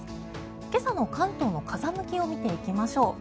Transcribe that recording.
今朝の関東の風向きを見ていきましょう。